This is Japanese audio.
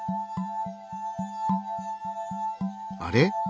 あれ？